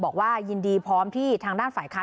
บอกว่ายินดีพร้อมที่ทางด้านฝ่ายค้าน